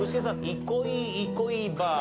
いこいいこいばあ。